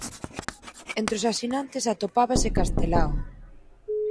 Entre os asinantes atopábase Castelao.